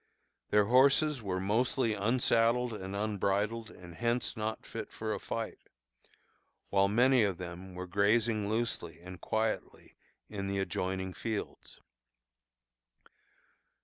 Their horses were mostly "unsaddled and unbridled, and hence not fit for a fight," while many of them were grazing loosely and quietly in the adjoining fields.